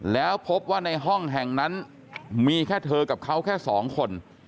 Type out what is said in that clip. แล้วพบว่าในห้องแห่งนั้นมีแค่เธอกับเขาแค่๒คน